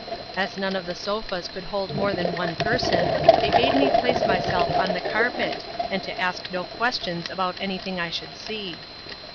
As none of the sofas could hold more than one person, they bade me place myself on the carpet, and to ask no questions about anything I should see.